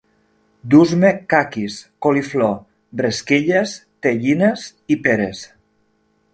Dus-me caquis, coliflor, bresquilles, tellines i peres